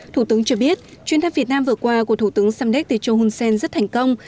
thủ tướng cho biết chuyến thăm việt nam vừa qua của thủ tướng sam deck tê châu hun sen rất thành công